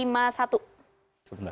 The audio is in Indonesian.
dua puluh satu jadinya lima puluh satu